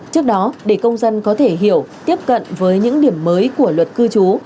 trước đó để công dân có thể hiểu tiếp cận với những điểm mới của luật cư trú